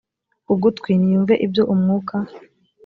ugutwi niyumve ibyo umwuka